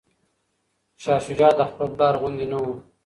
شاه شجاع د خپل پلار غوندې نه و.